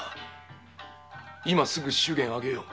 今すぐ祝言を挙げよう。